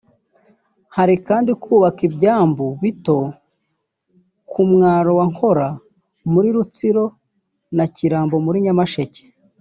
Hari kandi kubaka ibyambu bito ku mwaro wa Nkora muri Rutsiro na Kirambo muri Nyamasheke